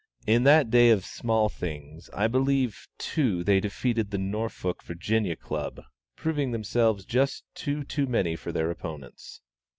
In that day of small things, I believe, too, they defeated the Norfolk (Va.) Club, proving themselves just two too many for their opponents.